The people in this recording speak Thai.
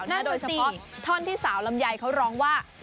นั่นคือสิโดยเฉพาะท่อนที่สาวลำไยเขาร้องว่า